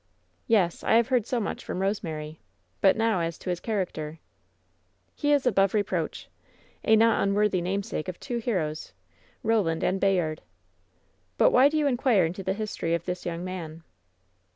"Yes, I have heard so much from Sosemary. But ftow as to his character?" "He is above reproach. A not unworthy namesake of 82 WHEN SHADOWS DIE two heroes — Boland and Bayard. But why do you iib quire into the history of this young person